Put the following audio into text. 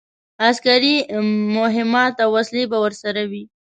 عسکري مهمات او وسلې به ورسره وي.